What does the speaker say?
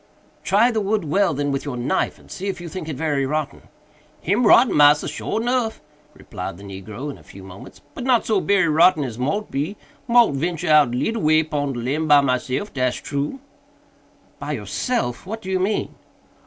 "Try the wood well, then, with your knife, and see if you think it very rotten." "Him rotten, massa, sure nuff," replied the negro in a few moments, "but not so berry rotten as mought be. Mought ventur out leetle way pon de limb by myself, dat's true." "By yourself!—what do you mean?"